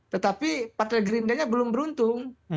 tetapi partai gerindra nya belum beruntung